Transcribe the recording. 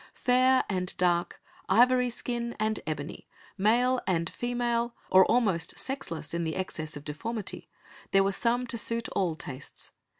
Fair and dark, ivory skin and ebony, male and female, or almost sexless in the excess of deformity, there were some to suit all tastes.